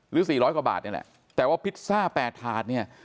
หรือสี่ร้อยกว่าบาทเนี้ยแหละแต่ว่าพิชซ่าแปดถาดเนี้ย